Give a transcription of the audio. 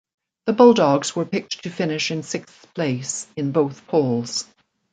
The Bulldogs were picked to finish in sixth place in both polls.